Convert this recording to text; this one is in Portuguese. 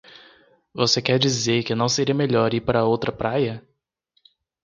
Você quer dizer que não seria melhor ir para outra praia?